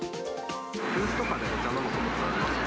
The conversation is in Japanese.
急須とかでお茶飲むことってありますか。